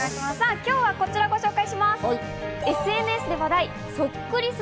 今日はこちらをご紹介します。